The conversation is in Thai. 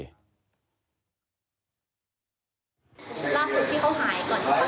ราคุที่เขาหายก่อนที่เขาจะหายพวกนักท่านตอนกับคุณ